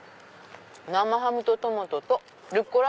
生ハムとトマトとルッコラ。